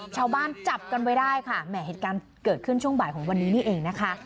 จับกันไว้ได้ค่ะแหม่เหตุการณ์เกิดขึ้นช่วงบ่ายของวันนี้นี่เองนะคะ